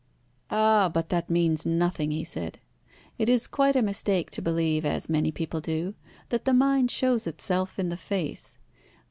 "Ah! but that means nothing," he said. "It is quite a mistake to believe, as many people do, that the mind shows itself in the face.